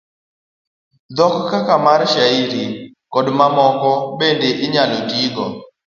Dhok kaka mar shairi, koda mamoko bende inyalo tigo